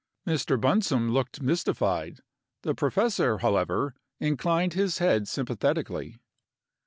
Mr. Bunsome looked mystified. The professor, however, inclined his head sympathetically.